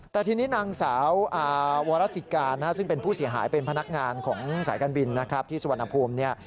แต่ทีนี้นางสาววอลลัสสิการซึ่งเป็นผู้เสียหายเป็นพนักงานของสายการบินที่สวรรค์นภูมิ